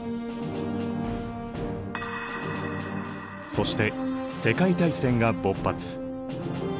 そして世界大戦が勃発。